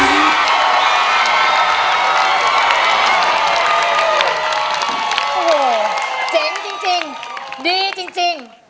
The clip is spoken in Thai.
เจ๋งจริงดีจริง